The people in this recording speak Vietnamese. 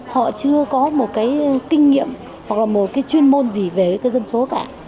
họ chưa có một cái kinh nghiệm hoặc là một cái chuyên môn gì về cái dân số cả